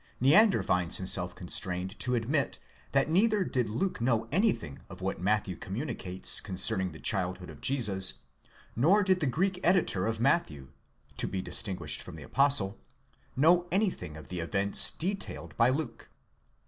Neander finds himself constrained to: admit, that neither did Luke know anything of what Matthew communicates concerning the childhood of Jesus, nor did the Greek editor of Matthew (to be distinguished from the apostle) know anything of the events detailed by Luke.